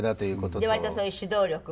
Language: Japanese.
で割とそういう指導力も。